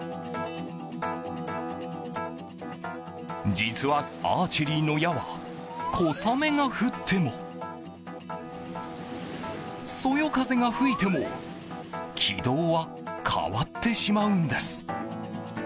実はアーチェリーの矢は小雨が降ってもそよ風が吹いても軌道は変わってしまうんです。